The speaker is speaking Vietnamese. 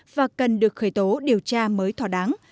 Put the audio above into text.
và cần được khởi tố điều tra mới thỏa đáng